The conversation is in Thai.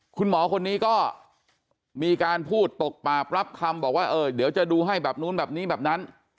คุณหมอคนนี้ก็มีการพูดตกปราบรับคำบอกว่าเออเดี๋ยวจะดูให้แบบนู้นแบบนี้แบบนั้น